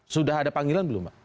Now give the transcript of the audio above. sudah ada panggilan belum pak